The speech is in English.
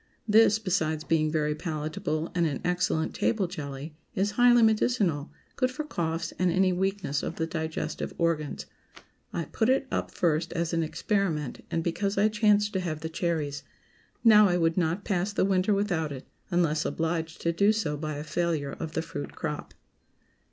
This, besides being very palatable and an excellent table jelly, is highly medicinal, good for coughs and any weakness of the digestive organs. I put it up first as an experiment, and because I chanced to have the cherries. Now I would not pass the winter without it, unless obliged to do so by a failure of the fruit crop.